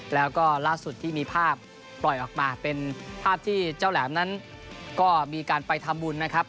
แล้วก็ล่าสุดที่มีภาพปล่อยออกมาเป็นภาพที่เจ้าแหลมนั้นก็มีการไปทำบุญนะครับ